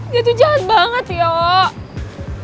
dia tuh jahat banget yoke